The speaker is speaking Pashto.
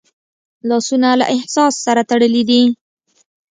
لاسونه له احساس سره تړلي دي